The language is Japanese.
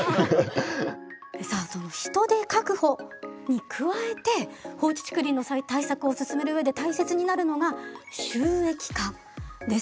さあその人手確保に加えて放置竹林の対策を進める上で大切になるのが収益化です。